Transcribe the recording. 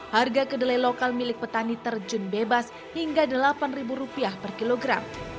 harga kedelai lokal milik petani terjun bebas hingga rp delapan per kilogram